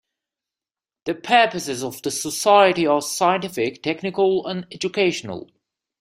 The purposes of the Society are scientific, technical, and educational.